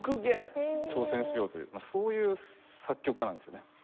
挑戦しようというそういう作曲家なんですよね。